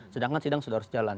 sedangkan sidang sudah harus jalan